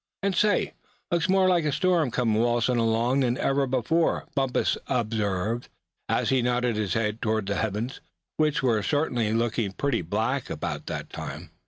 "And say, looks more like a storm comin' waltzin' along than ever before," Bumpus observed, as he nodded his head toward the heavens, which were certainly looking pretty black about that time.